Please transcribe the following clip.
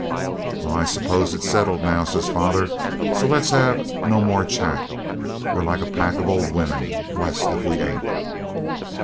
'Well, I suppose it's settled now,' says father; 'so let's have no more chat. We're like a pack of old women, blessed if we ain't.'